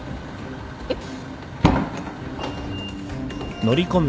えっ？